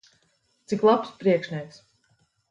Cik labs priekšnieks!